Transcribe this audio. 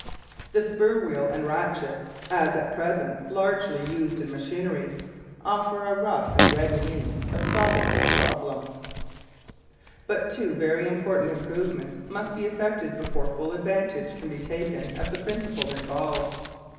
The spur wheel and ratchet, as at present largely used in machinery, offer a rough and ready means of solving this problem, but two very important improvements must be effected before full advantage can be taken of the principle involved.